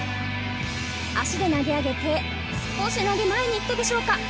足で投げ上げて前に行ったでしょうか。